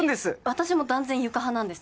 私も断然床派なんです。